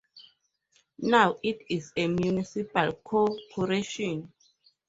Now it is a Municipal Corporation.